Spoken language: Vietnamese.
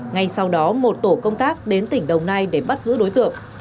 ngay sau đó một tổ công tác đến tỉnh đồng nai để bắt giữ đối tượng